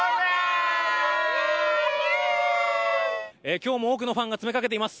今日も多くのファンが詰めかけています。